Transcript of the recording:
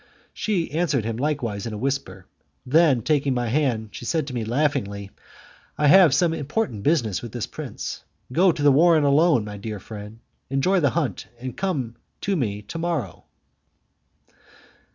She answered him likewise in a whisper; then taking my hand, she said to me, laughingly, "I have some important business with this prince; go to the warren alone, my dear friend, enjoy the hunt, and come to me to morrow."